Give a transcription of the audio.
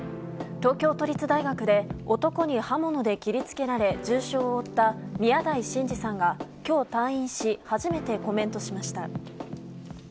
東京都立大学で男に刃物で切り付けられ重傷を負った宮台真司さんが今日退院し、初めてコメントしました。